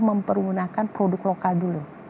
mempergunakan produk lokal dulu